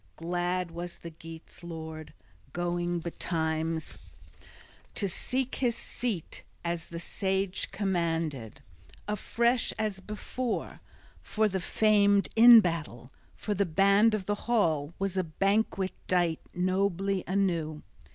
Glad was the Geats' lord, going betimes to seek his seat, as the Sage commanded. Afresh, as before, for the famed in battle, for the band of the hall, was a banquet dight nobly anew.